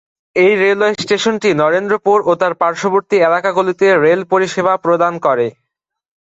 এই রেলওয়ে স্টেশনটি নরেন্দ্রপুর ও তার পার্শ্ববর্তী এলাকাগুলিতে রেল পরিষেবা প্রদান করে।